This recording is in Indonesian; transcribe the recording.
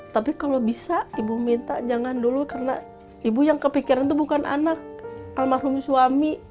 tapi kalau bisa ibu minta jangan dulu karena ibu yang kepikiran itu bukan anak almarhum suami